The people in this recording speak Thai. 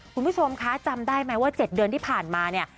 คุณผู้ชมคะจำได้ไหมว่า๗เดือนที่ผ่านมาเนี่ย